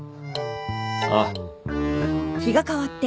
ああ。